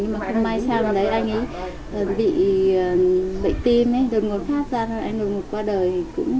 nhưng mà không may sang bên đấy anh ấy bị bệnh tim đột ngột phát ra đột ngột qua đời